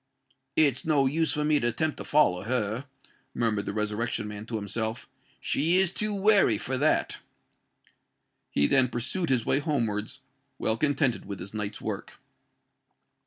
"It's no use for me to attempt to follow her," murmured the Resurrection Man to himself: "she is too wary for that." He then pursued his way homewards, well contented with his night's work.